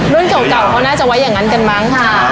รุ่นเก่าก่อนอาจจะไว้อย่างนั้นกันนั่นค่ะ